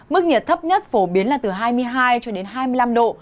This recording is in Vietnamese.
mức nhiệt thấp nhất phổ biến là từ hai mươi hai cho đến hai mươi năm độ